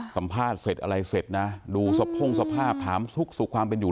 สัมภาษณ์เสร็จอะไรเสร็จนะดูสะพ่งสภาพถามสุขความเป็นอยู่